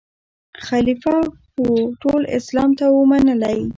خلیفه وو ټول اسلام ته وو منلی